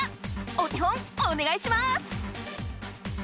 お手本おねがいします！